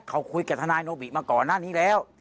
เขาคุยกับทนายโนบิมาก่อนหน้านี้แล้ว